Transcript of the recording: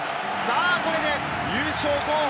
これで優勝候補